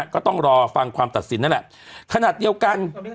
ก็ต้องรอฟังความตัดสินนั่นแหละ